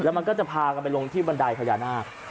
มันก็จะพากันไปลงที่บันไดพญานาค